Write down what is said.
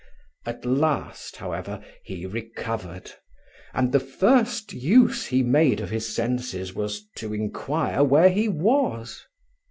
At last, however, he recovered, and the first use he made of his senses was to inquire where he was.